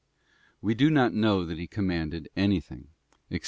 We do not know that He commanded anything * Ex.